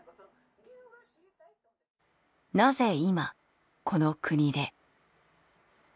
なぜ今この国で。